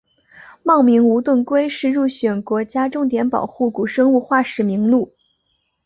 茂名无盾龟是入选国家重点保护古生物化石名录。